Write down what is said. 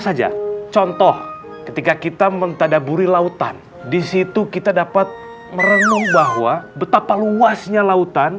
saja contoh ketika kita mentadaburi lautan disitu kita dapat merenung bahwa betapa luasnya lautan